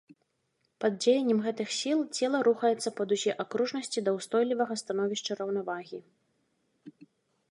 Пад дзеяннем гэтых сіл цела рухаецца па дузе акружнасці да ўстойлівага становішча раўнавагі.